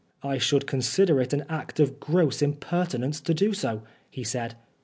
" I should consider it an act of gross impertinence to do so," he said.